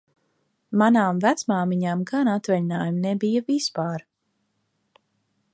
Manām vecmāmiņām gan atvaļinājumu nebija vispār.